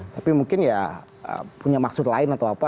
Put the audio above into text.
tapi mungkin ya punya maksud lain atau apa